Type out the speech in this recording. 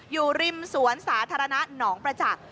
อยู่ริมสวนสาธารณะหนองประจักษ์